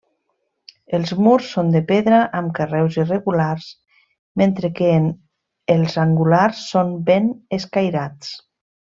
Els murs són de pedra amb carreus irregulars, mentre que els angulars són ben escairats.